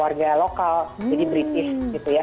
jadi british gitu ya